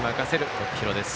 徳弘です。